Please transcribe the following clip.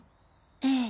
ええ。